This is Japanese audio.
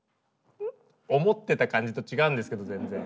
思ってた感じと違うんですけどぜんぜん。